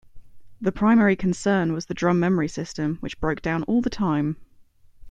The primary concern was the drum memory system, which broke down all the time.